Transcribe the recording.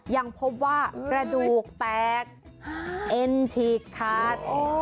ยังพบว่ากระดูกแตกเอ็นฉีกขาด